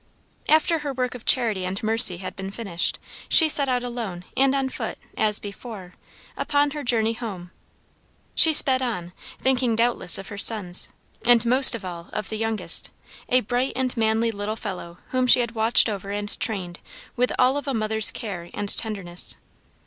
After her work of charity and mercy had been finished, she set out alone and on foot, as before, upon her journey home. She sped on, thinking doubtless of her sons, and most of all of the youngest, a bright and manly little fellow whom she had watched over and trained with all of a mother's care and tenderness.